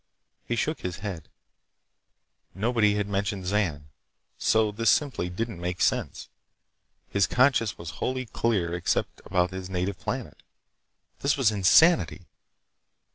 He shook his head. Nobody had mentioned Zan, so this simply didn't make sense. His conscience was wholly clear except about his native planet. This was insanity!